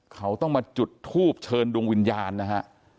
เขาต้องมาจุดทูบเชิญดวงวิญญาณนะฮะ